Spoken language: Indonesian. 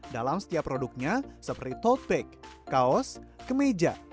dalam setiap produknya seperti tote bag kaos kemeja